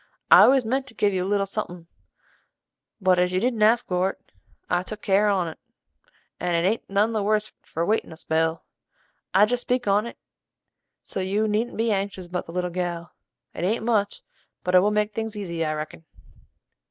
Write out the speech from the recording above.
I always meant to give you a little suthing, but as you didn't ask for't, I took good care on 't, and it ain't none the worse for waitin' a spell. I jest speak on't, so you needn't be anxious about the little gal. It ain't much, but it will make things easy I reckon."